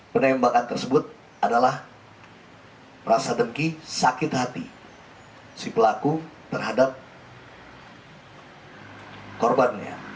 penembakan tersebut adalah rasa dengki sakit hati si pelaku terhadap korbannya